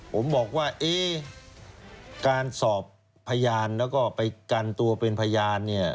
ผมบอกว่าเอ๊ะการสอบพยานแล้วก็ไปกันตัวเป็นพยานเนี่ย